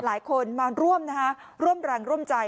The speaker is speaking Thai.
หลายคนมาร่วมนะฮะร่วมแรงร่วมใจ